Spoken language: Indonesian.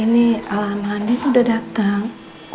ini alana andin udah datang